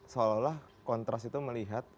seolah olah kontras itu melihat